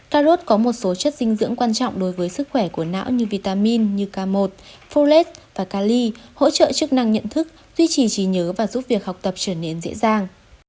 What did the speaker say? cà rốt có một số chất dinh dưỡng quan trọng đối với sức khỏe của não như vitamin như k một folles và cali hỗ trợ chức năng nhận thức duy trì trí nhớ và giúp việc học tập trở nên dễ dàng